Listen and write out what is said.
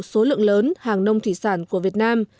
số lượng lớn hàng nông thủy sản của việt nam